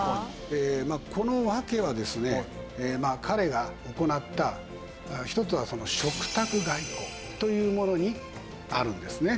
彼が行った一つは食卓外交というものにあるんですね。